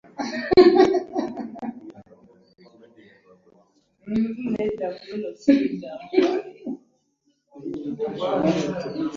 Emale ne semutundu by'ennyanja bikasangwawo.